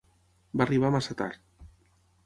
Va arribar massa tard.